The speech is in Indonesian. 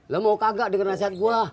lo mau kagak denger nasihat gue